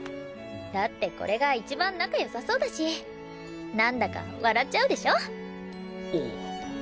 だってこれが一番仲良さそうだしなんだか笑っちゃうでしょ？